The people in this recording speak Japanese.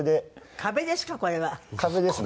壁ですか？